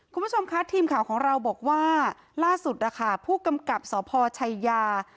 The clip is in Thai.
คุณผู้ชมคะทีมข่าวของเราบอกว่าล่าสุดนะคะผู้กำกับสพชัยยา